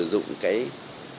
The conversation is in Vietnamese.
các nguồn thuế tài sản